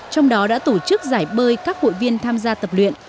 trong đó đã tổ chức giải bơi các hội viên tham gia tập luyện